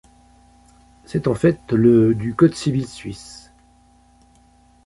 C'est en fait le du Code civil suisse.